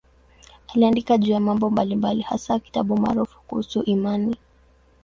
Aliandika juu ya mambo mbalimbali, hasa kitabu maarufu kuhusu imani.